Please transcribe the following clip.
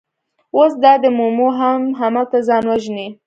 اوس دا دی مومو هم هملته ځان وژني.